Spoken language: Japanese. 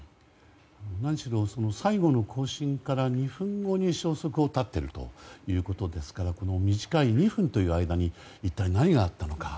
何しろ、最後の交信から２分後に消息を絶っているということですから短い２分という間に一体何があったのか。